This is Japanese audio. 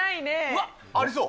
うわ、ありそう。